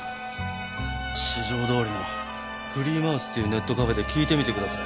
四条通のフリーマウスっていうネットカフェで聞いてみてください。